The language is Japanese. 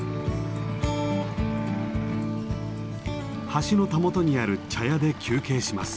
橋のたもとにある茶屋で休憩します。